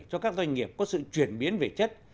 cho các doanh nghiệp có sự chuyển biến về chất